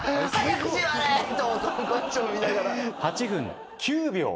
８分９秒。